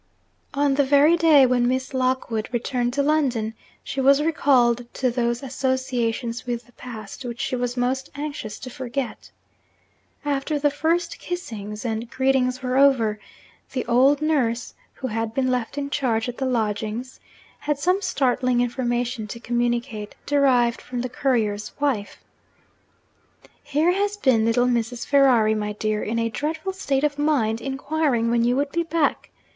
On the very day when Miss Lockwood returned to London, she was recalled to those associations with the past which she was most anxious to forget. After the first kissings and greetings were over, the old nurse (who had been left in charge at the lodgings) had some startling information to communicate, derived from the courier's wife. 'Here has been little Mrs. Ferrari, my dear, in a dreadful state of mind, inquiring when you would be back.